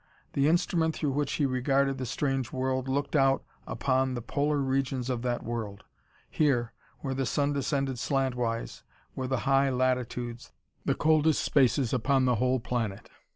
The instrument through which he regarded the strange world looked out upon the polar regions of that world. Here, where the sun descended slantwise, were the high latitudes, the coldest spaces upon all the whole planet.